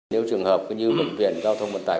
nếu trường hợp như bệnh viện giao thông vận tải